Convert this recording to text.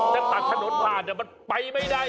จะตัดถนนผ่านมันไปไม่ได้